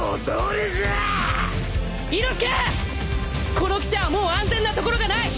この汽車はもう安全な所がない！